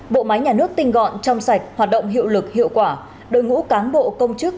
bộ máy nhà nước tinh gọn trong sạch hoạt động hiệu lực hiệu quả đội ngũ cán bộ công chức